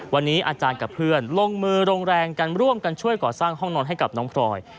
วันนี้อาจารย์กับเพื่อนลงมือลงแรงกันร่วมกันช่วยก่อสร้างห้องนอนให้กับน้องพลอย